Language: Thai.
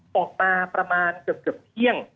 ออกมาประมาณเกือบเที่ยง